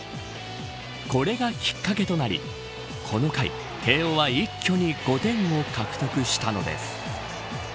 これがきっかけとなりこの回、慶応は一挙に５点を獲得したのです。